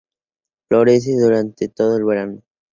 Florece durante todo el verano.